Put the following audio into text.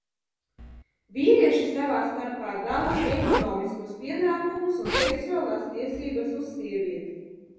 Vīrieši savā starpā dala ekonomiskos pienākumus un seksuālās tiesības uz sievieti.